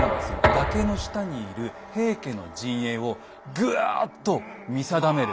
崖の下にいる平家の陣営をぐわっと見定める。